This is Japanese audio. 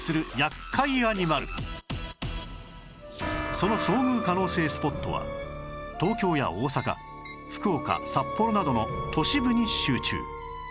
その遭遇可能性スポットは東京や大阪福岡札幌などの都市部に集中